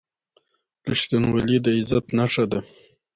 • رښتینولي د عزت نښه ده.